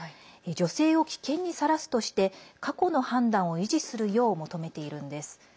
女性を危険にさらすとして過去の判断を維持するよう求めているんです。